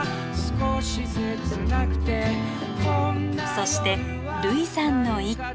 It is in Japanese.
そして類さんの一句。